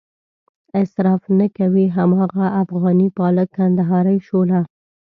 اصراف نه کوي هماغه افغاني پالک، کندهارۍ شوله.